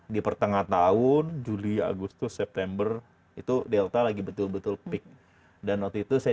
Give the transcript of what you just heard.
di pertengahan tahun juli agustus september itu delta lagi betul betul peak dan waktu itu saya